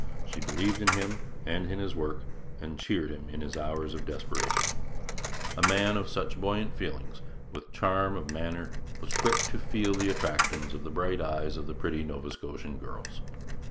She believed in him and in his work, and cheered him in his hours of depression. A man of such buoyant feelings, with such charm of manner, was quick to feel the attractions of the bright eyes of the pretty Nova Scotian girls.